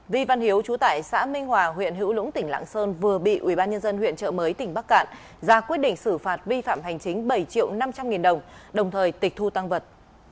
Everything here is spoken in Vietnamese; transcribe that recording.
vi văn hiếu chú tại xã minh hòa huyện hữu lũng tỉnh lạng sơn vừa bị ubnd huyện trợ mới tỉnh bắc cạn ra quyết định xử phạt vi phạm hành chính bảy triệu năm trăm linh nghìn đồng đồng thời tịch thu tăng vật